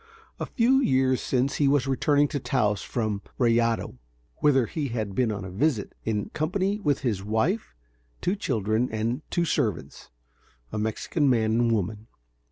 A few years since, he was returning to Taos from Rayado, whither he had been on a visit in company with his wife, two children, and two servants (a Mexican man and woman).